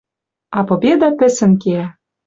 А «победа» пӹсӹн кеӓ.